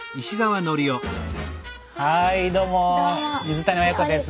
はいどうも水谷親子です。